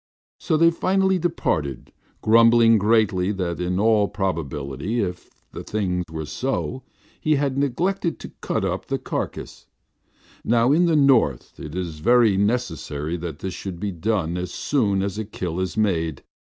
So they finally departed, grumbling greatly that in all probability, if the thing were so, he had neglected to cut up the carcasses. Now in the north it is very necessary that this should be done as soon as a kill is made.